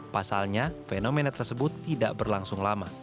pasalnya fenomena tersebut tidak berlangsung lama